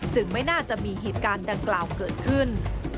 ไม่น่าจะมีเหตุการณ์ดังกล่าวเกิดขึ้น